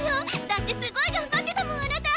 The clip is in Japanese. だってすごい頑張ってたもんあなた！